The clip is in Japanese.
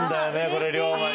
これ龍馬に。